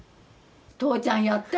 父ちゃんやったよ！